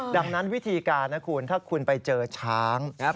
ดังนั้นวิธีการนะคุณถ้าคุณไปเจอช้างนะครับ